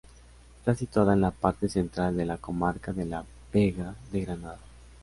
Está situada en la parte central de la comarca de la Vega de Granada.